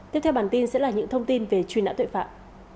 tiếp theo bản tin sẽ là những thông tin về truy nã tội phạm